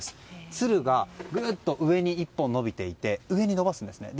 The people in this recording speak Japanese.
つるが上に１本伸びていて上に伸ばすんです。